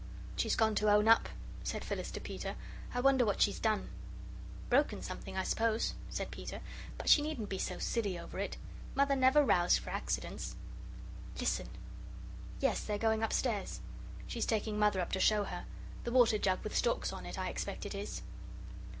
"She's gone to own up," said Phyllis to Peter; "I wonder what she's done." "Broken something, I suppose," said Peter, "but she needn't be so silly over it. Mother never rows for accidents. Listen! Yes, they're going upstairs. She's taking Mother up to show her the water jug with storks on it, I expect it is."